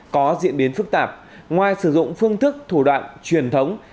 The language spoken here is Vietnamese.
có diễn biến phức tạp ngoài sử dụng phương thức thủ đoạn truyền thống